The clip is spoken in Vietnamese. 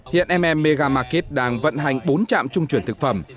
hiện mm megamarket đang vận hành bốn trạm trung chuyển thực phẩm